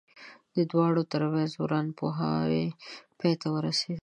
د دواړو ترمنځ ورانپوهاوی پای ته ورسېد.